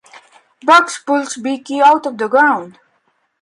Bugs pulls Beaky out of the ground.